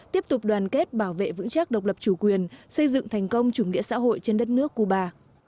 tiếp tục đoàn kết bảo vệ vững chắc độc lập chủ quyền xây dựng thành công chủ nghĩa xã hội trên đất nước cuba